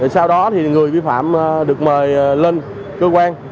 sau đó người vi phạm được mời lên cơ quan